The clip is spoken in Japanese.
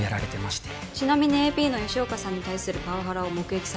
ちなみにＡＰの吉岡さんに対するパワハラを目撃されましたか？